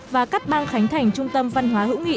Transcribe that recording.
và cắt băng khánh thành trung tâm văn hóa hữu nghị